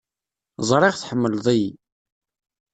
Ẓriɣ tḥemmleḍ-iyi.